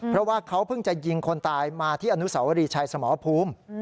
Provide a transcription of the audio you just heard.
เพราะว่าเขาเพิ่งจะยิงคนตายมาที่อนุสาวรีชัยสมภูมิ